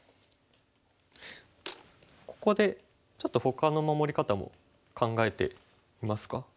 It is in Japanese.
ここでちょっとほかの守り方も考えてみますか。